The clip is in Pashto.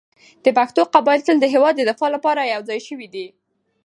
د پښتنو قبایل تل د هېواد د دفاع لپاره يو ځای شوي دي.